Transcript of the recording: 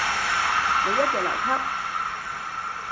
你一直留級？